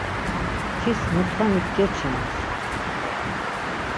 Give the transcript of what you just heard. Tis muntxanik geçams.